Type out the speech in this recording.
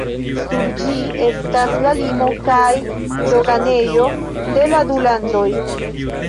Sur ĝi estas la limo kaj doganejo de la du landoj.